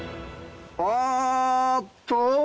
あっと？